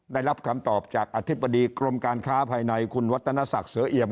ได้รับคำตอบจากอธิบดีกรมการค้าภายในคุณวัฒนศักดิ์เสือเอี่ยม